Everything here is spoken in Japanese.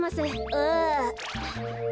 ああ。